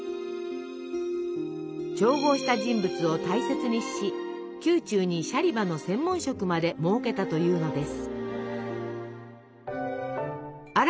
調合した人物を大切にし宮中にシャリバの専門職まで設けたというのです。